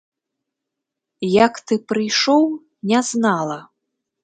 Як ты прыйшоў, не знала.